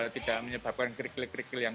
tidak menyebabkan kerikil kerikil yang